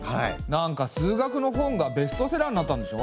なんか数学の本がベストセラーになったんでしょ？